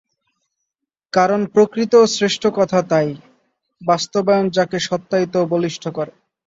কারণ প্রকৃত ও শ্রেষ্ঠ কথা তাই, বাস্তবায়ন যাকে সত্যায়িত ও বলিষ্ঠ করে।